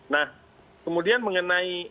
nah kemudian mengenai